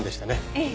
ええ。